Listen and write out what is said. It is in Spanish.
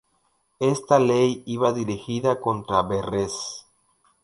Esta ley iba dirigida contra Verres.